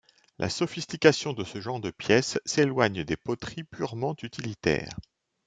La sophistication de ce genre de pièce s'éloigne des poteries purement utilitaires.